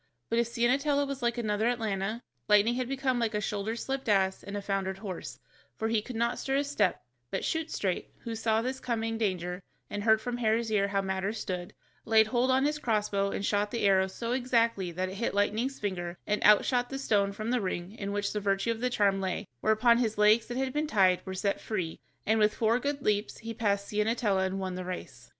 But if Ciennetella was like another Atalanta, Lightning had become like a shoulder slipped ass and a foundered horse, for he could not stir a step, but Shoot straight, who saw his coming danger, and heard from Hare's ear how matters stood, laid hold on his crossbow and shot the arrow so exactly that it hit Lightning's finger, and out shot the stone from the ring in which the virtue of the charm lay, whereupon his legs that had been tied were set free, and with four good leaps he passed Ciennetella and won the race.